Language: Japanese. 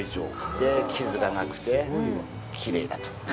で、傷がなくて、きれいだと。